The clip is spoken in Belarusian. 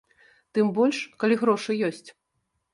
Тым больш, калі грошы ёсць.